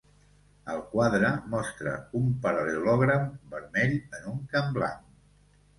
El quadre mostra un paral·lelogram vermell en un camp blanc.